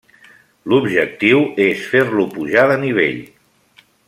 L'objectiu és fer-lo pujar de nivell.